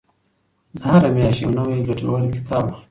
زه هره میاشت یو نوی ګټور کتاب اخلم.